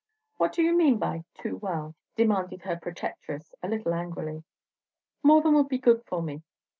"What do you mean by 'too well'?" demanded her protectress, a little angrily. "More than would be good for me.